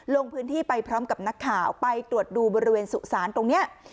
ลงพื้นที่ไปพร้อมกับนักข่าวไปตรวจดูบริเวณสุสานตรงนี้